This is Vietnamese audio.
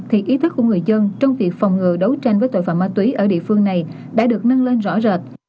thì ý thức của người dân trong việc phòng ngừa đấu tranh với tội phạm ma túy ở địa phương này đã được nâng lên rõ rệt